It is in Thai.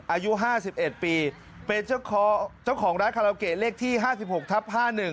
อายุ๕๑ปีเป็นเจ้าของร้านคาราโอเกะเลขที่๕๖ทับ๕๑